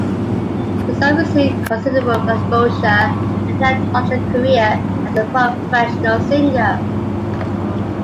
The song received considerable exposure and helped launch her career as a professional singer.